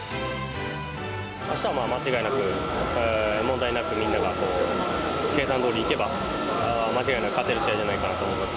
あしたは間違いなく問題なくみんなが計算どおりいけば、間違いなく勝てる試合じゃないかなと思います。